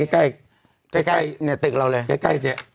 ใกล้เนี่ยตึกเราเลย